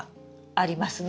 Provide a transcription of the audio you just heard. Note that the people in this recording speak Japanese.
ありますね。